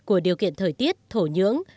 của điều kiện thời tiết thổ nhưỡng